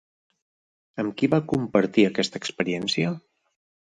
Amb qui va compartir aquesta experiència?